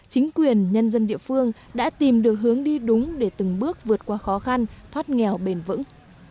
chính quyền nhân dân địa phương đã tìm được hướng đi đúng để từng bước vượt qua khó khăn thoát nghèo bền vững